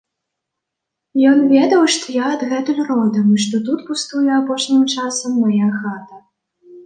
Ён ведаў, што я адгэтуль родам і што тут пустуе апошнім часам мая хата.